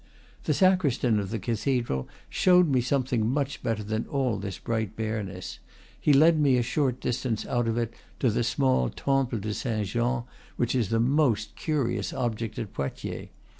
The sacristan of the cathedral showed me something much better than all this bright bareness; he led me a short distance out of it to the small Temple de Saint Jean, which is the most curious object at Poitiers.